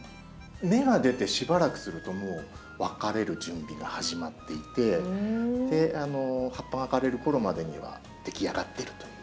芽が出てしばらくするともう分かれる準備が始まっていて葉っぱが枯れるころまでには出来上がってるという。